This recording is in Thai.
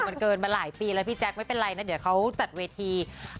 มันเกินมาหลายปีแล้วพี่แจ๊คไม่เป็นไรนะเดี๋ยวเขาจัดเวที